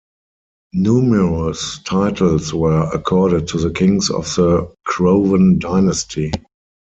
Numerous titles were accorded to the kings of the Crovan dynasty.